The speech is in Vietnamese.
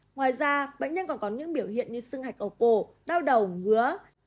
ngoài ra bệnh nhân còn có những biểu hiện như sưng hạch ở cổ đau đầu ngứa